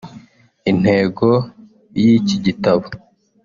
Intego y’iki gitabo